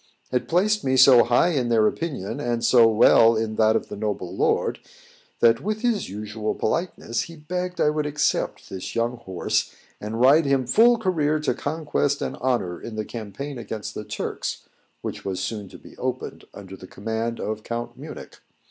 It placed me so high in their opinion, and so well in that of the noble lord, that, with his usual politeness, he begged I would accept of this young horse, and ride him full career to conquest and honour in the campaign against the Turks, which was soon to be opened, under the command of Count Munich.